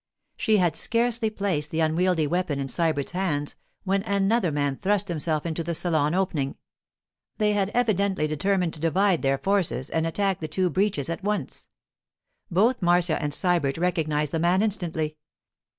She had scarcely placed the unwieldy weapon in Sybert's hands when another man thrust himself into the salon opening. They had evidently determined to divide their forces and attack the two breaches at once. Both Marcia and Sybert recognized the man instantly.